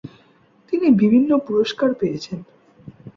তিনি বিভিন্ন পুরস্কার পেয়েছেন।